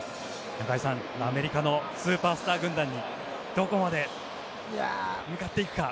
中居さん、アメリカのスーパースター軍団にどこまで向かっていくか。